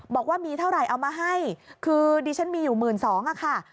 บอกว่ามีเท่าไหร่เอามาให้คือดิฉันมีอยู่๑๒๐๐ค่ะ